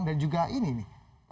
anda adalah logika